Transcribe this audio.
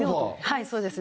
はいそうですね。